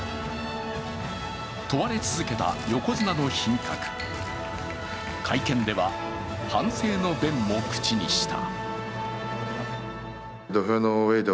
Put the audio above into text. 問われ続けた横綱の品格、会見では反省の弁も口にした。